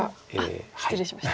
あっ失礼しました。